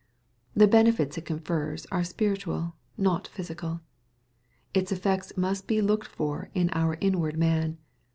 The benefits it confers, are spiritual, not physical. Its effects must be looked for in our inward man.